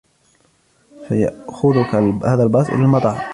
سيأخذك هذا الباص إلى المطار.